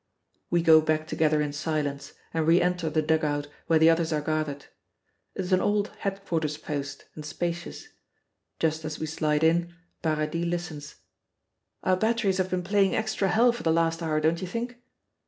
We go back together in silence and re enter the dugout where the others are gathered. It is an old headquarters post, and spacious. Just as we slide in, Paradis listens. "Our batteries have been playing extra hell for the last hour, don't you think?"